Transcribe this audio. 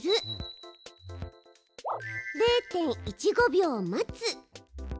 「０．１５秒待つ」。